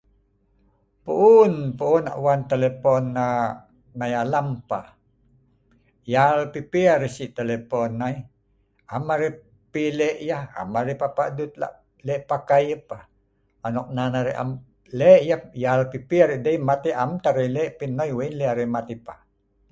Pu’un pu’un e’ek wan telepon nei alem peh yal pipi arei Sik telepon ai am arei pi lek yeh am arei papah dut lek pakai yeh peh anok nan arei am lek yeh anok nan yal pipi arei met yeh Ken hnei weik lek arei met yeh peh